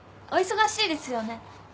お忙しいですよね